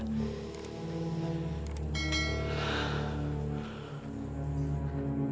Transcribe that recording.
sekarang aku ke rumah sama temen